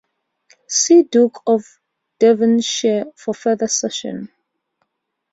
See Duke of Devonshire for further succession.